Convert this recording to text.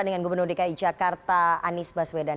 dengan gubernur dki jakarta anies baswedan